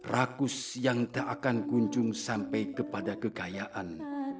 rakus yang tak akan kunjung sampai kepada kekayaan